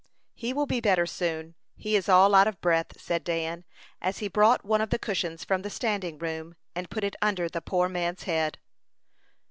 "He will be better soon. He is all out of breath," said Dan, as he brought one of the cushions from the standing room and put it under the poor man's head.